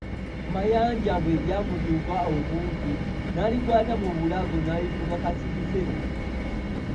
Mayanja bwe lyamutuuka okumpi n'aliraba, n'alikwata mu bulago n'alituga kasirise.